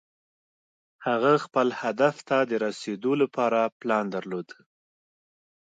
هغه خپل هدف ته د رسېدو لپاره پلان درلود.